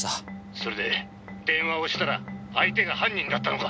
「それで電話をしたら相手が犯人だったのか？」